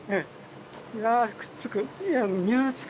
うわあくっつく。